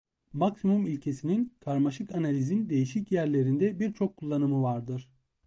Maksimum ilkesinin karmaşık analizin değişik yerlerinde birçok kullanımı vardır.